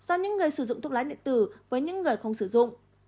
do những người sử dụng thuốc lá điện tử với những người không sử dụng